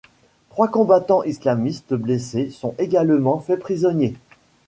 Trois combattants islamistes blessés sont également faits prisonniers.